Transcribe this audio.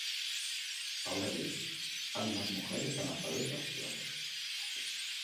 Ahora bien, hay más mujeres analfabetas que hombres.